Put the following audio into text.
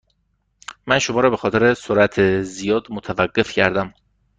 من شما را به خاطر سرعت زیاد متوقف کردم.